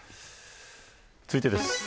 続いてです。